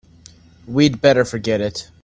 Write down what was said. We'd better forget it.